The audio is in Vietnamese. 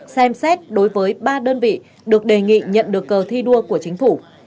xem xét đối với ba đơn vị được đề nghị nhận được cờ thi đua của chính phủ